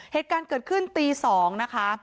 เหตุการณ์เกิดขึ้นตี๒นะคะ